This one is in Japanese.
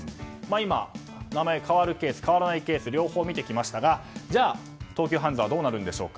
今、名前変わるケース変わらないケースと両方見てきましたが東急ハンズはどうなるんでしょうか。